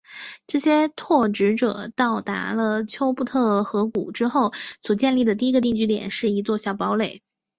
这些拓殖者到达了丘布特河谷之后所建立的第一个定居点是一座小堡垒。